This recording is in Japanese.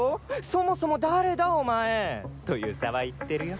そもそも誰だ？お前」と遊佐は言ってるよ。